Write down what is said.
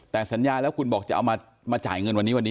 แต่สัญญาแล้วคุณบอกจะเอามาจ่ายเงินวันนี้วันนี้